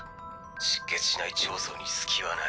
失血しない脹相に隙はない。